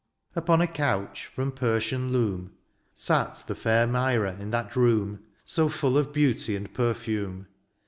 47 Upon a couch, £rom Persian loom. Sate the fair Myra in that room. So full of beauty and perfume.